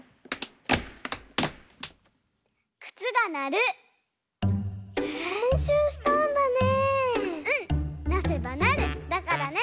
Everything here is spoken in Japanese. れんしゅうしたんだね。